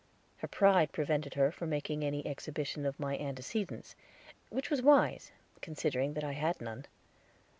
Her pride prevented her from making any exhibition of my antecedents, which was wise, considering that I had none.